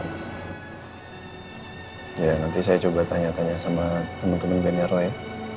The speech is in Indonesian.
ya nanti saya coba tanya tanya sama temen temen bener lah ya